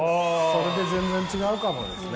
それで全然違うかもですね。